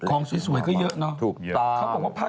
ของสุดสวยก็เยอะเนา้